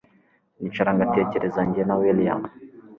nicara ngatekereza njye na william